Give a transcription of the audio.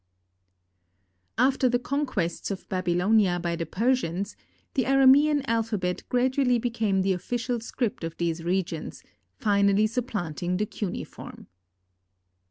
After the conquests of Babylonia by the Persians, the Aramean alphabet gradually became the official script of these regions, finally supplanting the cuneiform.